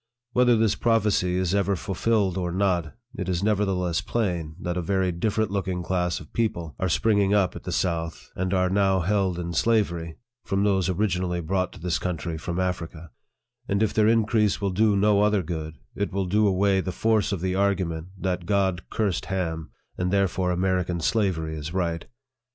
Whether this prophecy is ever fulfilled or not, it is nevertheless plain that a very different looking class of people are springing up at the south, and are now held in slavery, from those origin ally brought to this country from Africa ; and if their increase will do no other good, it will do away the force of the argument, that God cursed Ham, and therefore American slavery is right.